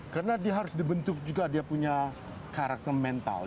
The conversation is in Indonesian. karena dia harus dibentuk juga dia punya karakter mental